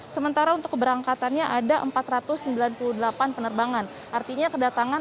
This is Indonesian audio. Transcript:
sementara untuk keberangkatannya ada empat ratus sembilan puluh delapan penerbangan